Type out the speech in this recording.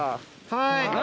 はい。